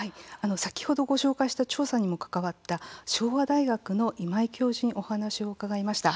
先ほどご紹介した調査にも関わった昭和大学の今井教授にお話を伺いました。